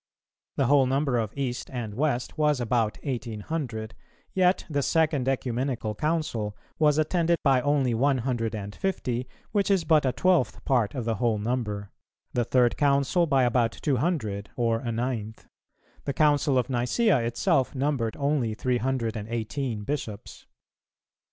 The whole number of East and West was about eighteen hundred, yet the second Ecumenical Council was attended by only one hundred and fifty, which is but a twelfth part of the whole number; the Third Council by about two hundred, or a ninth; the Council of Nicæa itself numbered only three hundred and eighteen Bishops.